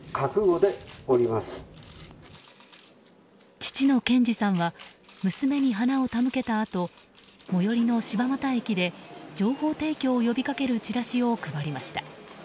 父の賢二さんは娘に花を手向けたあと最寄りの柴又駅で情報提供を呼び掛けるチラシを配りました。